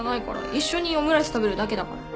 一緒にオムライス食べるだけだから。